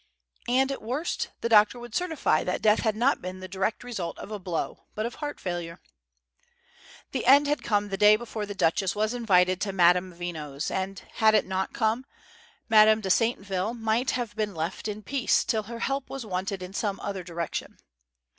And at worst, the doctor would certify that death had not been the direct result of a blow, but of heart failure. The end had come the day before the Duchess was invited to Madame Veno's; and had it not come, Madame de Saintville might have been left in peace till her help was wanted in some other direction.